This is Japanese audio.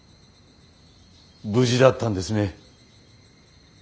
無事だったんですね。